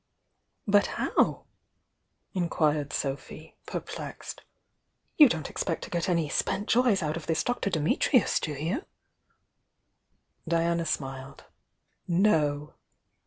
"But how?" inquired Sophy, perplexed. "You don t expect to get any 'spent joys' out of this Dr Dmutnus, do you?" Diana smiled. "No!"